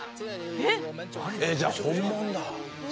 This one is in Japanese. えっじゃあ本物だ。